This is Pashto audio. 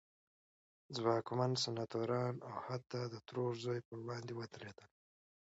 ځواکمن سناتوران او حتی د ترور زوی پر وړاندې ودرېدل.